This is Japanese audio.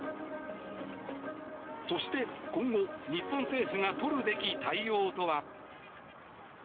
そして、今後日本政府が取るべき対応とは。